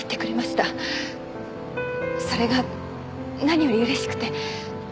それが何より嬉しくて。